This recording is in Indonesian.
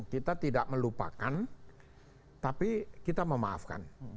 kita tidak melupakan tapi kita memaafkan